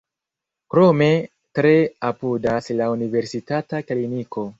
Krome tre apudas la Universitata kliniko.